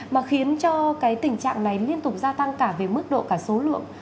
mà khiến cho cái tình trạng này liên tục gia tăng cả về mức độ cả số lượng